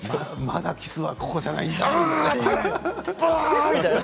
まだキスはここじゃないんだと。